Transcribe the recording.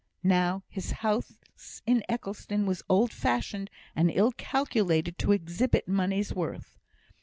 Now his house in Eccleston was old fashioned, and ill calculated to exhibit money's worth.